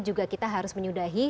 juga kita harus menyudahi